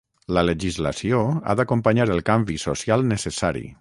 La legislació ha d’acompanyar el canvi social necessari.